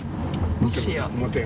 もしや。